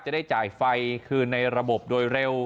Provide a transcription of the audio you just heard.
จะได้จ่ายไฟคืนในระบบโดยเร็ว